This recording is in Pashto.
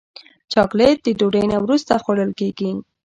چاکلېټ د ډوډۍ نه وروسته خوړل کېږي.